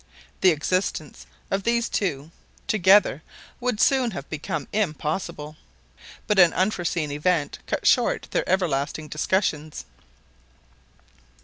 The existence of these two together would soon have become impossible; but an unforseen event cut short their everlasting discussions.